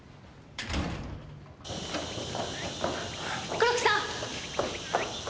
黒木さん！